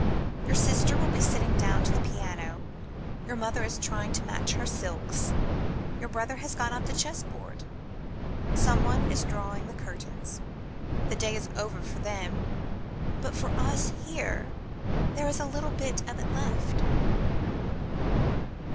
Your sister will be sitting down to the piano. Your mother is trying to match her silks. Your brother has got out the chess board. Someone is drawing the curtains. The day is over for them, but for us, here, there is a little bit of it left."